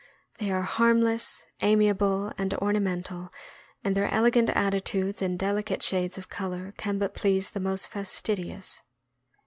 They are harm less, amiable, and ornamental, and their elegant attitudes arid delicate shades of color can but please the most fas tidious.